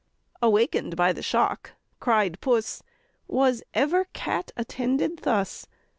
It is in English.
Awaken'd by the shock (cried Puss) "Was ever cat attended thus?